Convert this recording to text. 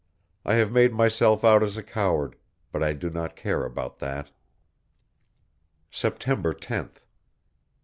I have made myself out as a coward, but I do not care about that!... September 10th.